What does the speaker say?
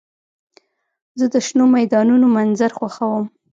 زه د شنو میدانونو منظر خوښوم.